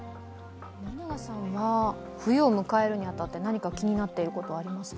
森永さんは冬を迎えるに当たって何か気になっていることはありますか？